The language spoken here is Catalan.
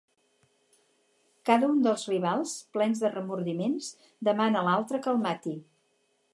Cada un dels rivals, plens de remordiments, demana a l'altre que el mati.